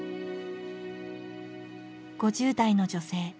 ５０代の女性。